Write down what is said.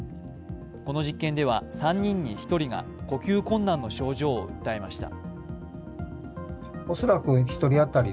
この実験では３人に１人が呼吸困難の症状を訴えました。